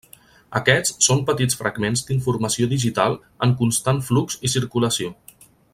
Aquests són petits fragments d'informació digital en constant flux i circulació.